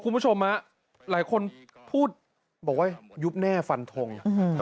คุณผู้ชมหลายคนพูดบอกว่ายุบแน่ฟันทง